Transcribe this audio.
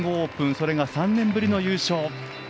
それが３年ぶりの優勝。